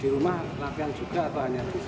di rumah latihan juga atau hanya